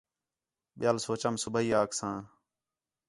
ٻِیال سوچام صُبیح آ کساں